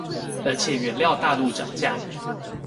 而且原料大陸漲價